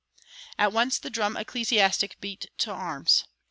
[191:1] At once the "drum ecclesiastic" beat to arms.